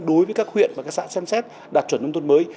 đối với các huyện và các xã xem xét đạt chuẩn nông thôn mới